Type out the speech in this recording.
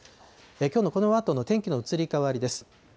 きょうのこのあとの天気の移り変わりです。